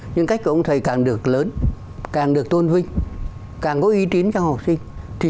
nhân cách của ông thầy càng được lớn càng được tôn vinh càng có ý tín cho học sinh